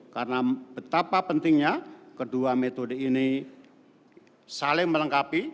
karena betapa pentingnya kedua metode ini saling melengkapi